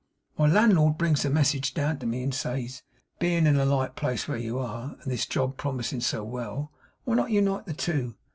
My landlord brings the message down to me, and says, "bein' in a light place where you are, and this job promising so well, why not unite the two?"